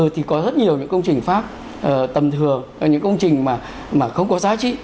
thì có rất nhiều những công trình pháp tầm thường những công trình mà không có giá trị